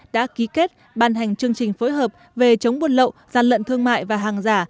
đã ký kết ban hành chương trình phối hợp về chống buôn lậu gian lận thương mại và hàng giả